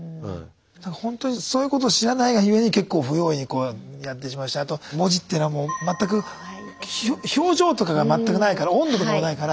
ほんとにそういうこと知らないがゆえに結構不用意にやってしまうしあと文字っていうのはもう全く表情とかが全くないから温度とかもないから。